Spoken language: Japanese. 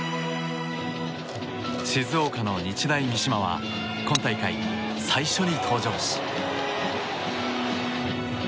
静岡の日大三島は今大会最初に登場し。